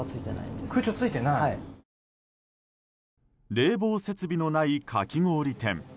冷房設備のない、かき氷店。